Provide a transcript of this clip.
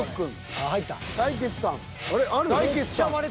あれ？